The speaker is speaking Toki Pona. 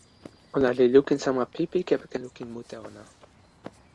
ona li lukin sama pipi kepeken lukin mute ona.